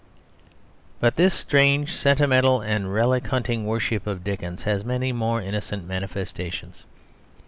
But this strange sentimental and relic hunting worship of Dickens has many more innocent manifestations.